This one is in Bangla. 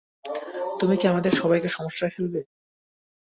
তুমি কী আমাদের সবাইকে সমস্যায় ফেলবে?